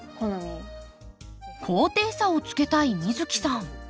高低差をつけたい美月さん。